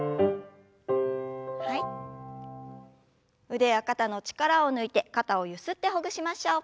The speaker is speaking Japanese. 腕や肩の力を抜いて肩をゆすってほぐしましょう。